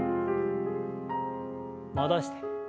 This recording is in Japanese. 戻して。